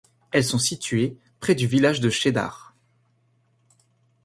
Elles sont situées près du village de Cheddar.